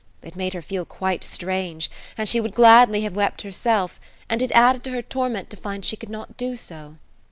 It made her feel quite strange, and she would gladly have wept herself, and it added to her torment to find she could not do so.